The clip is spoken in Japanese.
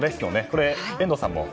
これ、遠藤さんも。